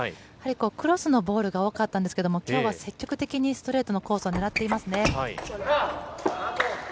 クロスのボールが多かったんですけども今日は積極的にストレートのコースを狙っていますね。